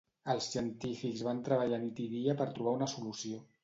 Els científics van treballar nit i dia per trobar una solució.